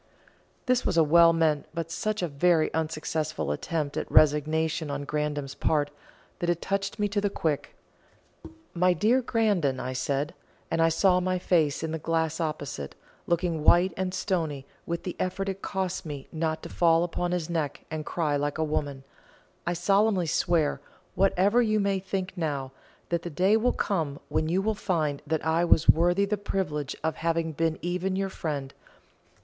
This was a well meant but such a very unsuccessful attempt at resignation on Grandon's part, that it touched me to the quick. "My dear Grandon," I said and I saw my face in the glass opposite, looking white and stony with the effort it cost me not to fall upon his neck and cry like a woman "I solemnly swear, whatever you may think now, that the day will come when you will find that I was worthy the privilege of having been even your friend.